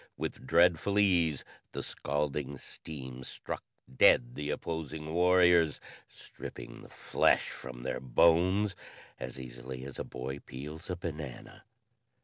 With dreadful ease, the scalding steam struck dead the opposing warriors, stripping the flesh from their bones as easily as a boy peels a banana.